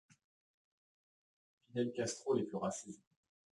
Fidel Castro les fera saisir.